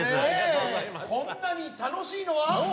こんなに楽しいのは。